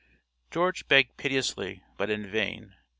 George begged piteously, but in vain.